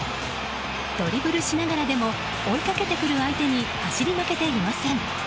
ドリブルしながらでも追いかけてくる相手に走り負けていません。